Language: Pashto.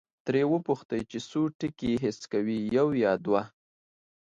ترې وپوښتئ چې څو ټکي حس کوي، یو یا دوه؟